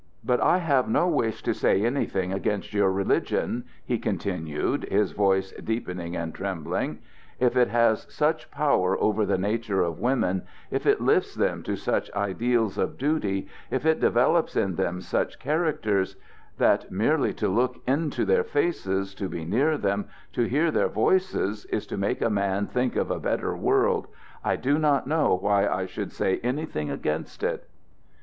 "But I have no wish to say anything against your religion," he continued, his voice deepening and trembling. "If it has such power over the natures of women, if it lifts them to such ideals of duty, if it develops in them such characters, that merely to look into their faces, to be near them, to hear their voices, is to make a man think of a better world, I do not know why I should say anything against it."